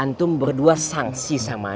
antum berdua sangsi sama ana